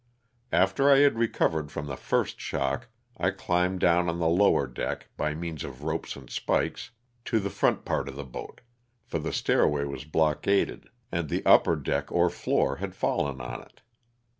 After I had recovered from the first shock I climbed down on the lower deck, by means of ropes and spikes, to the front part of the boat, for the stair way was blockaded and the upper deck or floor had fallen on it.